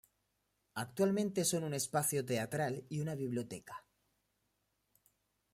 Actualmente son un espacio teatral y una biblioteca.